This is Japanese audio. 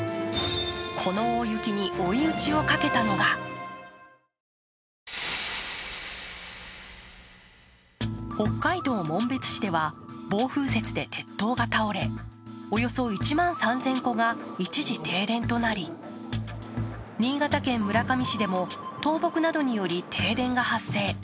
この大雪に追い打ちをかけたのが北海道紋別市では暴風雪で鉄塔が倒れ、およそ１万３０００戸が一時停電となり、新潟県村上市でも倒木などにより停電が発生。